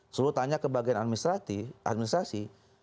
selalu tanya ke bagian administrasi